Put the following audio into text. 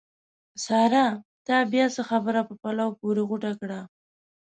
سارا! تا بیا څه خبره په پلو پورې غوټه کړه؟!